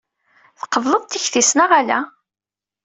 Tqebleḍ tikti-s neɣ ala?